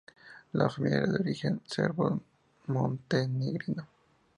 La familia era de origen serbo-montenegrino.